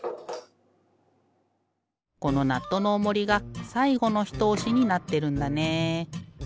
このナットのおもりがさいごのひとおしになってるんだね。